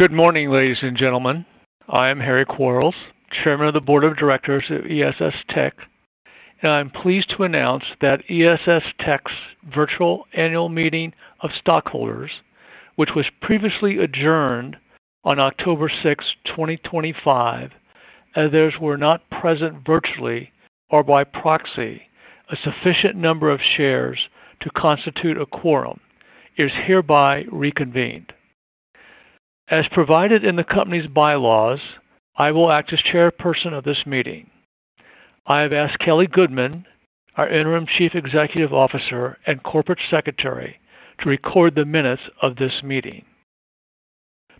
Good morning, ladies and gentlemen. I am Harry Quarls, Chairman of the Board of Directors of ESS Tech, and I'm pleased to announce that ESS Tech's virtual annual meeting of stockholders, which was previously adjourned on October 6, 2025, is hereby reconvened as provided in the company's bylaws. Others were not present virtually or by proxy. A sufficient number of shares to constitute a quorum is present. I will act as chairperson of this meeting. I have asked Kelly Goodman, our Interim Chief Executive Officer and Corporate Secretary, to record the minutes of this meeting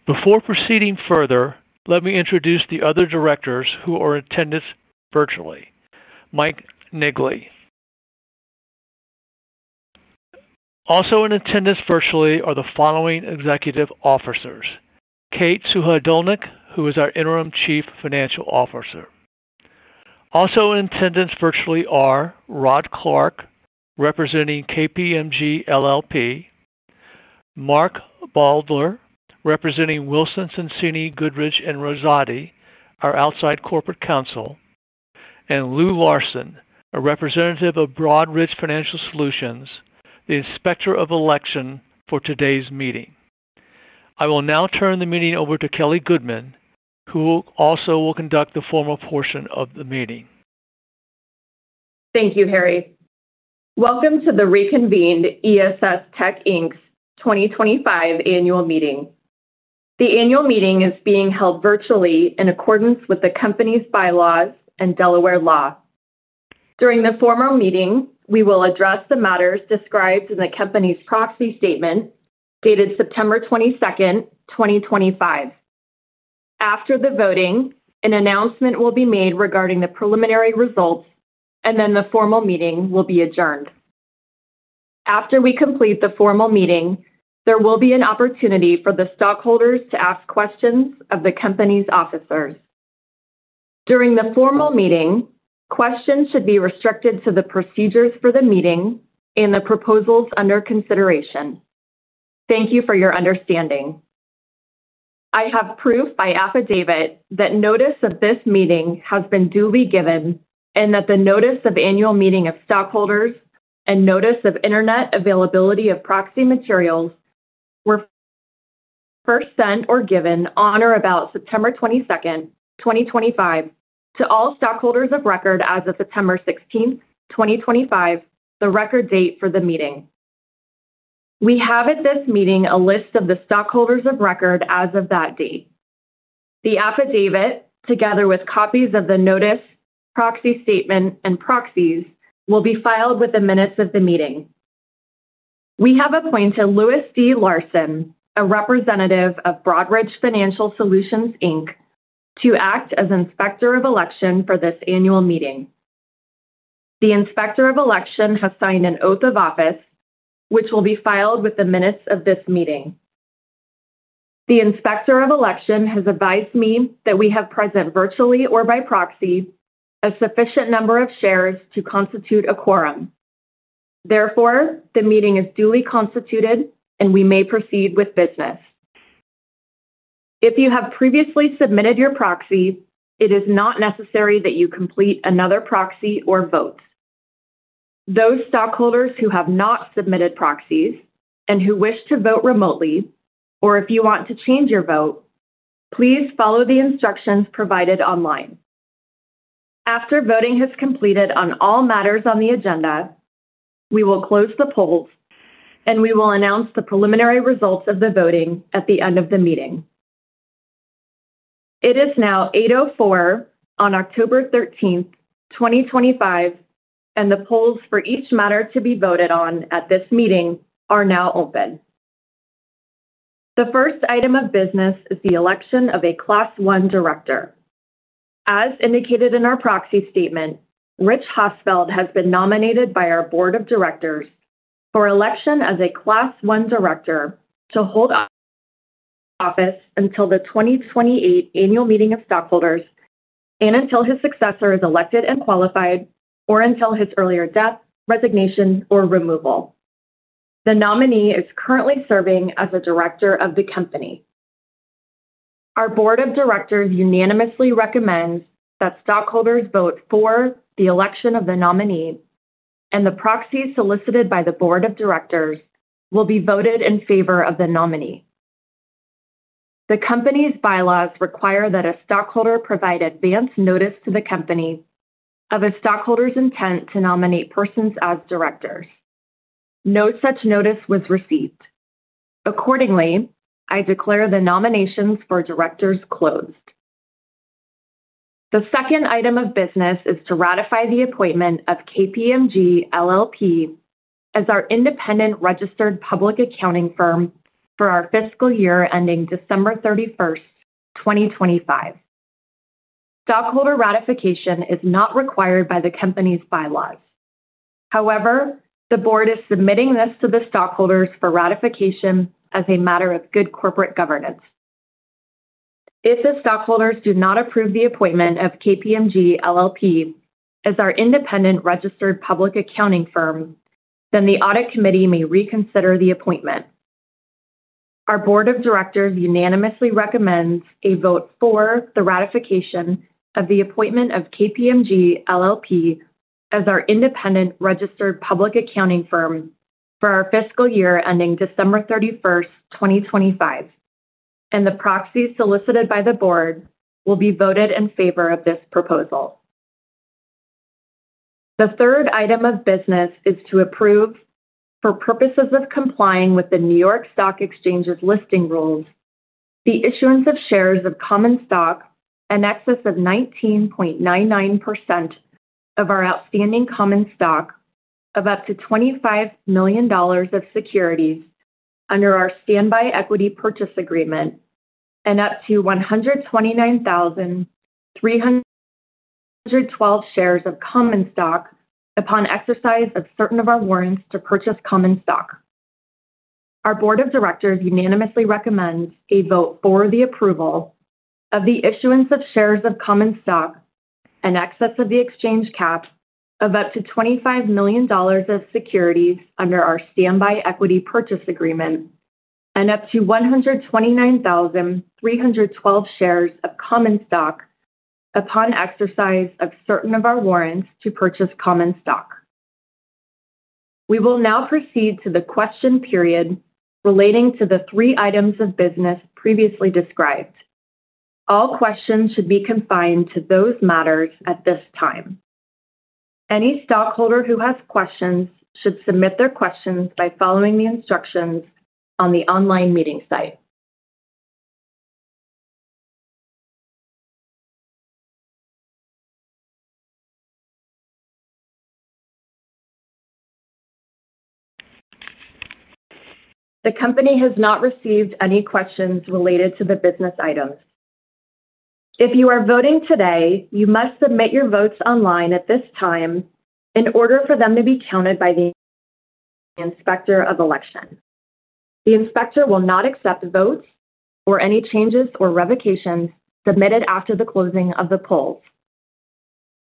before proceeding further. Let me introduce the other directors who are in attendance virtually: Mike Niggli. Also in attendance virtually are the following executive officers: Kate Suhadolnik, who is our Interim Chief Financial Officer. Also in attendance virtually are Rod Clark, representing KPMG LLP; Mark Baudler, representing Wilson Sonsini Goodrich & Rosati, our outside corporate counsel; and Lou Larsen, a representative of Broadridge Financial Solutions, the Inspector of Election for today's meeting. I will now turn the meeting over to Kelly Goodman, who also will conduct the formal portion of the meeting. Thank you, Harry. Welcome to the reconvened ESS Tech, Inc's 2025 annual meeting. The annual meeting is being held virtually in accordance with the company's bylaws and Delaware law. During the formal meeting, we will address the matters described in the company's proxy statement dated September 22nd, 2025. After the voting, an announcement will be made regarding the preliminary results, and then the formal meeting will be adjourned. After we complete the formal meeting, there will be an opportunity for the stockholders to ask questions of the company's officers during the formal meeting. Questions should be restricted to the procedures for the meeting and the proposals under consideration. Thank you for your understanding. I have proof by affidavit that notice of this meeting has been duly given and that the notice of annual meeting of stockholders and notice of Internet availability of proxy materials were first sent or given on or about September 22nd, 2025, to all stockholders of record as of September 16th, 2025, the record date for the meeting. We have at this meeting a list of the stockholders of record as of that date. The affidavit, together with copies of the notice, proxy statement, and proxies, will be filed within minutes of the meeting. We have appointed Louis Larsen, a representative of Broadridge Financial Solutions Inc, to act as Inspector of Election for this annual meeting. The Inspector of Election has signed an oath of office which will be filed within minutes of this meeting. The Inspector of Election has advised me that we have present virtually or by proxy a sufficient number of shares to constitute a quorum. Therefore, the meeting is duly constituted and we may proceed with business. If you have previously submitted your proxy, it is not necessary that you complete another proxy or vote. Those stockholders who have not submitted proxies and who wish to vote remotely, or if you want to change your vote, please follow the instructions provided online. After voting has completed on all matters on the agenda, we will close the polls and we will announce the preliminary results of the voting at the end of the meeting. It is now 8:04 A.M. on October 13th, 2025, and the polls for each matter to be voted on at this meeting are now open. The first item of business is the election of a Class 1 Director. As indicated in our proxy statement, Rich Hossfeld has been nominated by our Board of Directors for election as a Class 1 Director to hold office until the 2028 annual meeting of stockholders and until his successor is elected and qualified, or until his earlier death, resignation, or removal. The nominee is currently serving as a Director of the Company. Our Board of Directors unanimously recommends that stockholders vote for the election of the nominee, and the proxies solicited by the Board of Directors will be voted in favor of the nominee. The Company's bylaws require that a stockholder provide advance notice to the Company of a stockholder's intent to nominate persons as directors. No such notice was received. Accordingly, I declare the nominations for directors closed. The second item of business is to ratify the appointment of KPMG LLP as our independent registered public accounting firm for our fiscal year ending December 31st, 2025. Stockholder ratification is not required by the Company's bylaws, however, the Board is submitting this to the stockholders for ratification as a matter of good corporate governance. If the stockholders do not approve the appointment of KPMG LLP as our independent registered public accounting firm, then the Audit Committee may reconsider the appointment. Our Board of Directors unanimously recommends a vote for the ratification of the appointment of KPMG LLP as our independent registered public accounting firm for our fiscal year ending December 31st, 2025, and the proxies solicited by the Board will be voted in favor of this proposal. The third item of business is to approve, for purposes of complying with the New York Stock Exchange's listing rules, the issuance of shares of common stock in excess of 19.99% of our outstanding common stock of up to $25 million of securities under our Standby Equity Purchase Agreement and up to 129,312 shares of common stock upon exercise of certain of our warrants to purchase common stock. Our Board of Directors unanimously recommends a vote for the approval of the issuance of shares of common stock in excess of the exchange cap of up to $25 million of securities under our Standby Equity Purchase Agreement and up to 129,312 shares of common stock upon exercise of certain of our warrants to purchase common stock. We will now proceed to the question period relating to the three items of business previously described. All questions should be confined to those matters at this time. Any stockholder who has questions should submit their questions by following the instructions on the online meeting site. The Company has not received any questions related to the business items. If you are voting today, you must submit your votes online at this time in order for them to be counted by the Inspector of Election. The Inspector will not accept the vote or any changes or revocations submitted after the closing of the polls.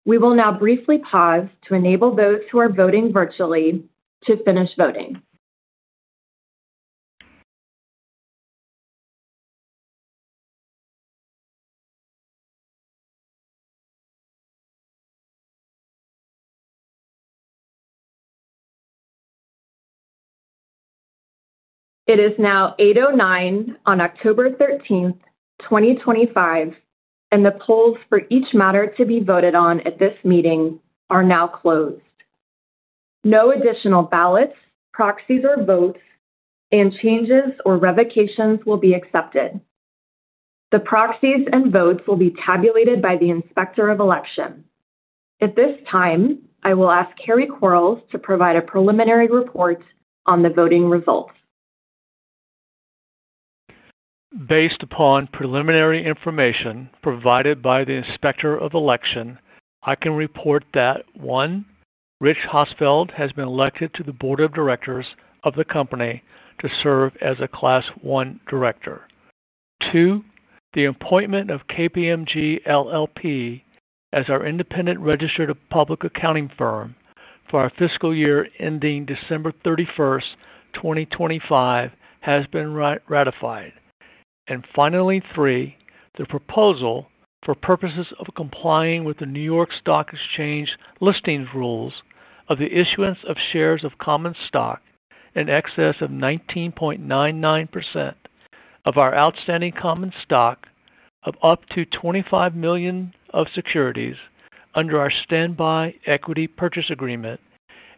We will now briefly pause to enable those who are voting virtually to finish voting. It is now 08:09 A.M. on October 13th, 2025, and the polls for each matter to be voted on at this meeting are now closed. No additional ballots, proxies, or votes and changes or revocations will be accepted. The proxies and votes will be tabulated by the Inspector of Election. At this time, I will ask Harry Quarls to provide a preliminary report on the voting results. Based upon preliminary information provided by the Inspector of Election, I can report that 1. Rich Hossfeld has been elected to the Board of Directors of the Company to serve as a Class 1 Director. 2. The appointment of KPMG LLP as our independent registered public accounting firm for our fiscal year ending December 31st, 2025, has been ratified. 3. The proposal for purposes of complying with the New York Stock Exchange listing rules of the issuance of shares of common stock in excess of 19.99% of our outstanding common stock of up to $25 million of securities under our Standby Equity Purchase Agreement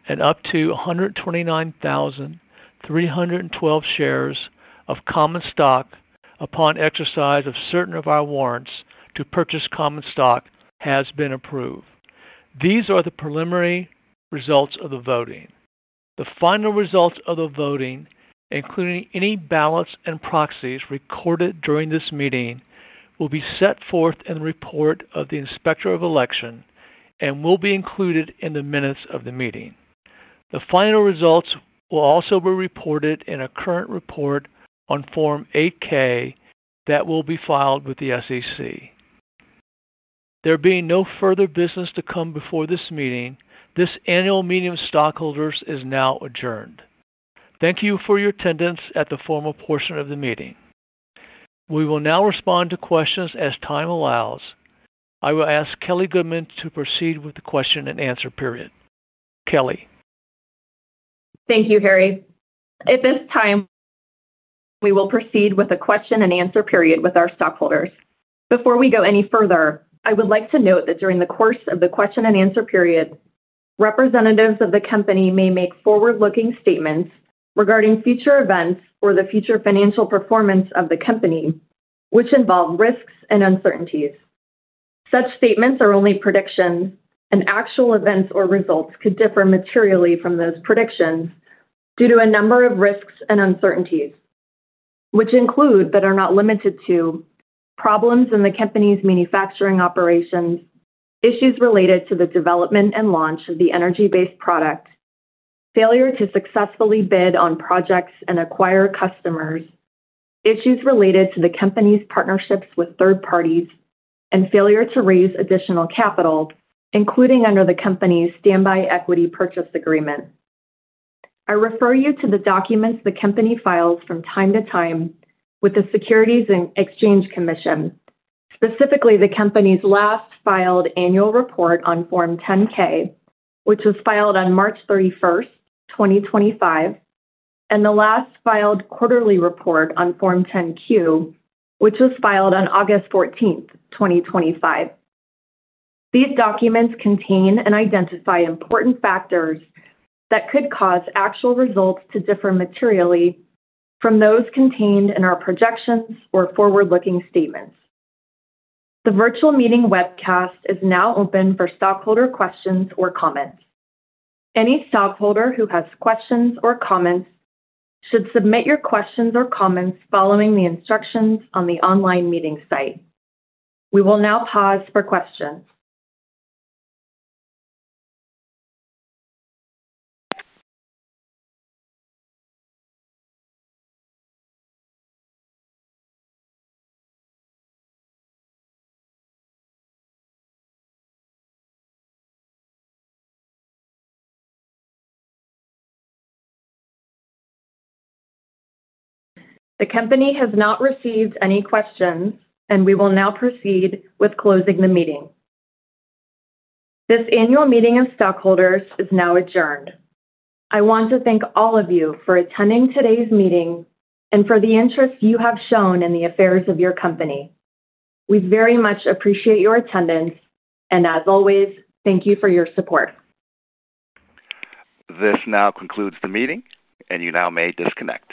and up to 129,312 shares of common stock upon exercise of certain of our warrants to purchase common stock has been approved. These are the preliminary results of the voting. The final results of the voting, including any ballots and proxies recorded during this meeting, will be set forth in the Report of the Inspector of Election and will be included in the minutes of the meeting. The final results will also be reported in a current report on Form 8-K that will be filed with the SEC. There being no further business to come before this meeting, this annual meeting of stockholders is now adjourned. Thank you for your attendance at the formal portion of the meeting. We will now respond to questions. As time allows, I will ask Kelly Goodman to proceed with the question and answer period. Kelly? Thank you, Harry. At this time we will proceed with a question and answer period with our stockholders. Before we go any further, I would like to note that during the course of the question and answer period, representatives of the Company may make forward-looking statements regarding future events or the future financial performance of the Company, which involve risks and uncertainties. Such statements are only predictions and actual events or results could differ materially from those predictions due to a number of risks and uncertainties, which include, but are not limited to, problems in the Company's manufacturing operations, issues related to the development and launch of the energy-based product, failure to successfully bid on projects and acquire customers, issues related to the Company's partnerships with third parties, and failure to raise additional capital, including under the Company's Standby Equity Purchase Agreement. I refer you to the documents the Company files from time to time with the Securities and Exchange Commission. Specifically, the Company's last filed annual report on Form 10-K, which was filed on March 31st, 2025, and the last filed quarterly report on Form 10-Q, which was filed on August 14th, 2025. These documents contain and identify important factors that could cause actual results to differ materially from those contained in our projections or forward-looking statements. The virtual meeting webcast is now open for stockholder questions or comments. Any stockholder who has questions or comments should submit your questions or comments following the instructions on the online meeting site. We will now pause for questions. The Company has not received any questions and we will now proceed with closing the meeting. This annual meeting of stockholders is now adjourned. I want to thank all of you for attending today's meeting and for the interest you have shown in the affairs of your company. We very much appreciate your attendance and, as always, thank you for your support. This now concludes the meeting, and you now may disconnect.